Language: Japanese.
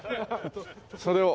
それを。